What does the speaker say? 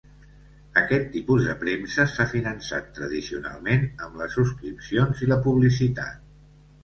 Aquest tipus de premsa s'ha finançat tradicionalment amb les subscripcions i la publicitat.